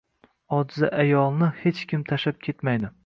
Ojiza ayolni hech kim tashlab ketmaydi.